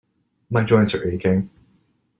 My joints are aching.